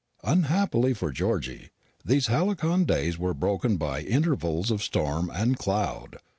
Unhappily for Georgy, these halcyon days were broken by intervals of storm and cloud.